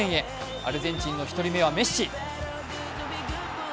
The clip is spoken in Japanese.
アルゼンチンの１人目はメッシ。